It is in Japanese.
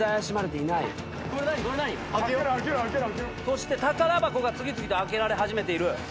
そして宝箱が次々と開けられ始めている。